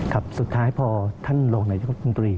ครับสุดท้ายพอท่านหลวงนัยยกรมนุนตรี